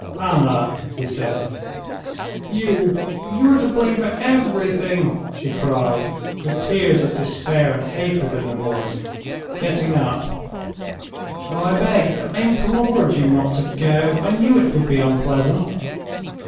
"Anna," he said. "You, you are to blame for everything!" she cried, with tears of despair and hatred in her voice, getting up. "I begged, I implored you not to go, I knew it would be unpleasant...."